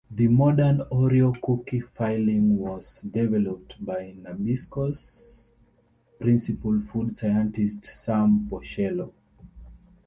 The modern Oreo cookie filling was developed by Nabisco's principal food scientist, Sam Porcello.